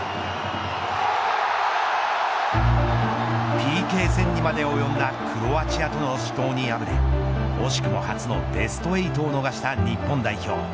ＰＫ戦にまでおよんだクロアチアとの死闘に敗れ惜しくも、初のベスト８を逃した日本代表。